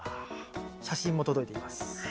写真も届いています。